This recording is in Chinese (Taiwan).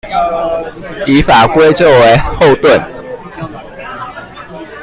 以法規作為後盾